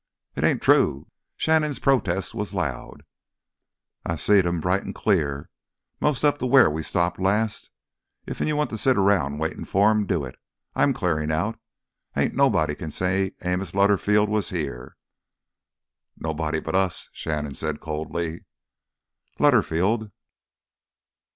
"It ain't true!" Shannon's protest was loud. "I seed em—bright an' clear—mos' up to where we stopped last. Iffen you wants to sit 'round waitin' for 'em, do it! I'm clearin' out—ain't nobody can say Amos Lutterfield was here." "Nobody but us," Shannon said coldly. "Lutterfield!"